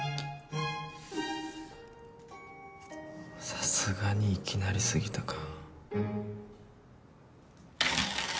さすがにいきなりすぎたか。